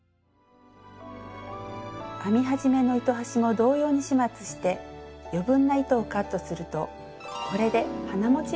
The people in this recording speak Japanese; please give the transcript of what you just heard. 編み始めの糸端も同様に始末して余分な糸をカットするとこれで花モチーフができました。